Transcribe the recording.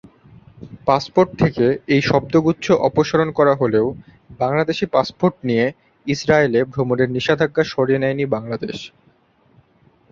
Passport থেকে এই শব্দগুচ্ছ অপসারণ করা হলেও বাংলাদেশি পাসপোর্ট নিয়ে ইসরায়েলে ভ্রমণের নিষেধাজ্ঞা সরিয়ে নেয়নি বাংলাদেশ।